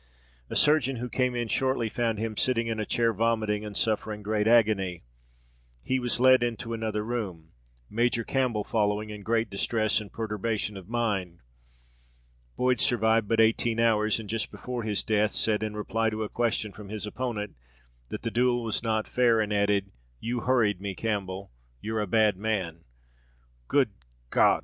A surgeon, who came in shortly, found him sitting in a chair, vomiting and suffering great agony. He was led into another room, Major Campbell following, in great distress and perturbation of mind. Boyd survived but eighteen hours, and just before his death, said, in reply to a question from his opponent, that the duel was not fair, and added, "You hurried me, Campbell you're a bad man." "Good God!"